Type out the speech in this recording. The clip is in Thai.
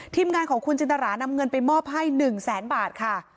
ทีมงานของคุณจินตรานำเงินไปมอบให้๑แสนบาทค่ะ